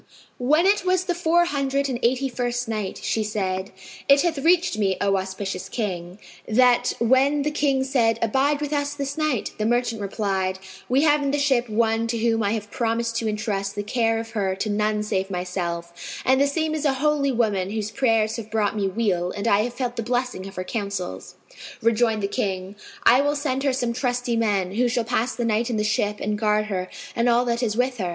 When it was the Four Hundred and Eighty first Night, She said, It hath reached me, O auspicious King, that when the King said, "Abide with us this night," the merchant replied, "We have in the ship one to whom I have promised to entrust the care of her to none save myself; and the same is a holy woman whose prayers have brought me weal and I have felt the blessing of her counsels." Rejoined the King, "I will send her some trusty men, who shall pass the night in the ship and guard her and all that is with her."